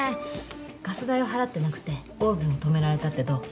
ガス代を払ってなくてオーブン止められたってどう？